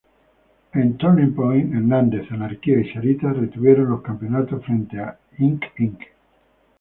En "Turning Point", Hernández, Anarquía y Sarita retuvieron los campeonatos frente a Ink Inc.